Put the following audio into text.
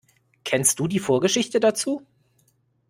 Kennst du die Vorgeschichte dazu?